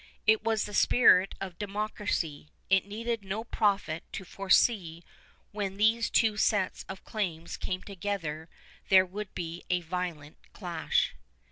It was the spirit of democracy. It needed no prophet to foresee when these two sets of claims came together there would be a violent clash.